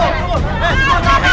eh kau pun diperkosa ya